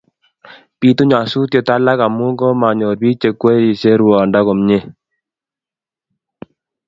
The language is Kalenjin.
bituu nyasusiet alak amu komanyor biik chekwerishei ruondo komnyei